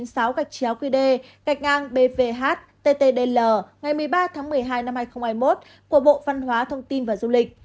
gạch chéo qd gạch ngang bvhttdl ngày một mươi ba tháng một mươi hai năm hai nghìn hai mươi một của bộ văn hóa thông tin và du lịch